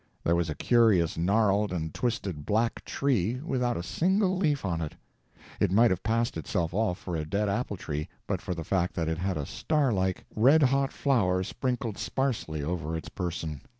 There was a curious gnarled and twisted black tree, without a single leaf on it. It might have passed itself off for a dead apple tree but for the fact that it had a star like, red hot flower sprinkled sparsely over its person.